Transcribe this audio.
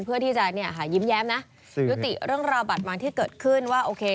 เพื่อที่จะยิ้มแย้มนะยุติเรื่องราวบัตรมารที่เกิดขึ้นว่าโอเค